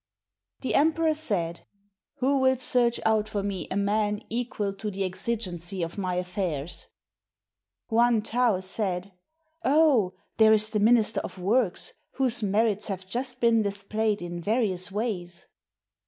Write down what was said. The emperor said, "Who will search out for me a man equal to the exigency of my affairs?" Hwan tow said, " Oh! there is the Minister of Works, whose merits have just been displayed in various ways."